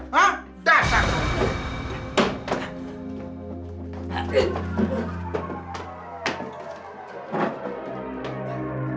hah dah sanggup